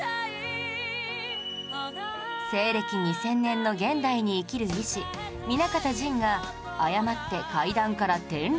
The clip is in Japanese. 西暦２０００年の現代に生きる医師南方仁が誤って階段から転落。